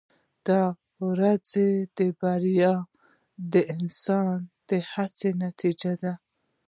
• د ورځې بریا د انسان د هڅو نتیجه ده.